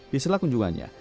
di setelah kunjungannya